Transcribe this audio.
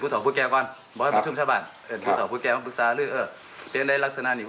พวกเขาทำอย่างนี้